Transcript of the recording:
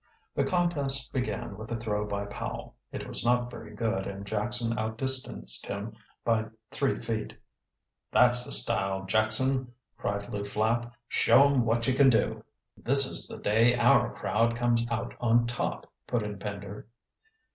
The contest began with a throw by Powell. It was not very good and Jackson outdistanced him by three feet. "That's the style, Jackson!" cried Lew Flapp. "Show 'em what you can do." "This is the day our crowd comes out on top," put in Pender.